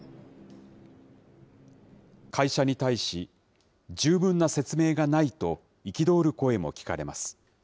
会社に対し、十分な説明がないと、憤る声も聞かれます。